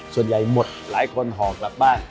ส่วนใหญ่หมดหลายคนห่อกลับบ้าน